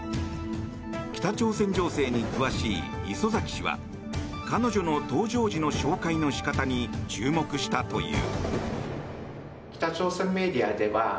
北朝鮮情勢に詳しい礒崎氏は彼女の登場時の紹介の仕方に注目したという。